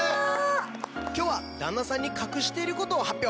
今日は旦那さんに隠していることを発表